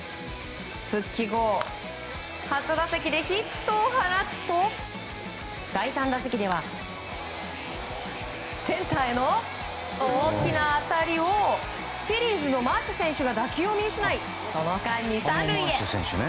復帰後初打席でヒットを放つと第３打席ではセンターへの大きな当たりをフィリーズのマーシュ選手が打球を見失いその間に３塁へ。